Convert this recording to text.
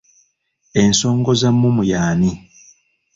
Ensongozamumu y'ani?